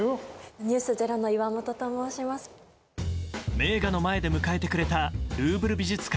名画の前で迎えてくれたルーヴル美術館